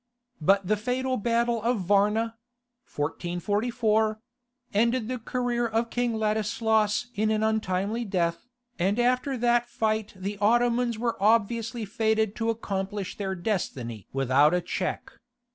But the fatal battle of Varna ended the career of King Ladislas in an untimely death, and after that fight the Ottomans were obviously fated to accomplish their destiny without a check.